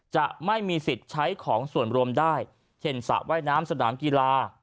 จะไม่มีสิทธิ์ใช้ของส่วนรวมได้เช่นสระว่ายน้ำสนามกีฬา